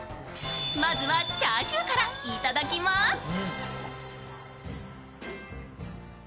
まずはチャーシューからいただきます。